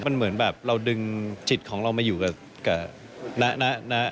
มันเหมือนแบบเราดึงจิตของเรามาอยู่กับนะ